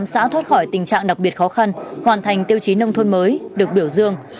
ba mươi tám xã thoát khỏi tình trạng đặc biệt khó khăn hoàn thành tiêu chí nông thuân mới được biểu dương